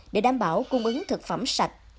để đảm bảo cung ứng thực phẩm sạch chất lượng